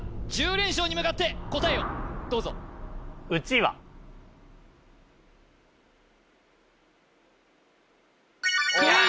１０連勝に向かって答えをどうぞうわー！